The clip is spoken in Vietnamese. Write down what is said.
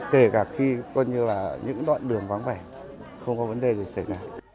kể cả khi những đoạn đường vắng vẻ không có vấn đề gì xảy ra